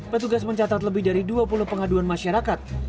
petugas mencatat lebih dari dua puluh pengaduan masyarakat